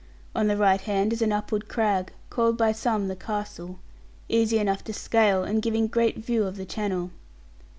On the right hand is an upward crag, called by some the Castle, easy enough to scale, and giving great view of the Channel.